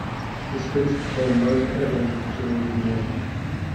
The splits became most evident towards the end.